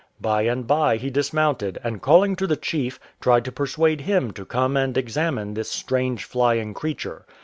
"" By and by he dism.ounted, and calling to the chief, tried to persuade him to come and examine this strange flying creature.